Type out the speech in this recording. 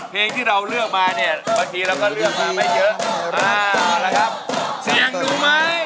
เพลงที่เราเลือกมา